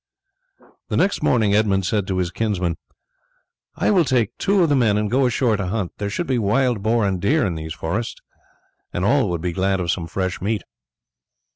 The next morning Edmund said to his kinsman: "I will take two of the men and go ashore to hunt; there should be wild boar and deer in these forests, and all would be glad of some fresh meat."